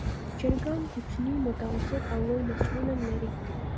چرګان کوچني، متوسط او لوی نسلونه لري.